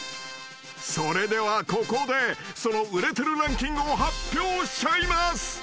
［それではここでその売れてるランキングを発表しちゃいます］